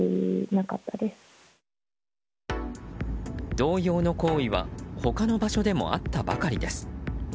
同様の行為は他の場所でもあったばかりです。